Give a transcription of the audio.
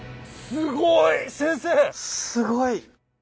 すごい。